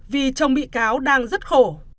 vì chồng bị cáo đang rất khổ